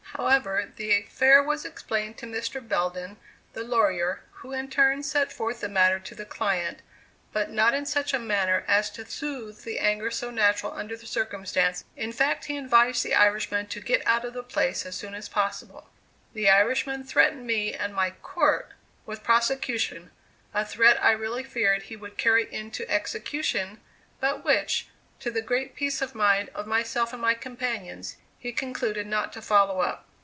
However, the affair was explained to Mr. Belden, the lawyer, who in turn set forth the matter to the client, but not in such a manner as to soothe the anger so natural under the circumstances in fact, he advised the Irishman to get out of the place as soon as possible. The Irishman threatened me and my "court" with prosecution a threat I really feared he would carry into execution, but which, to the great peace of mind of myself and my companions, he concluded not to follow up.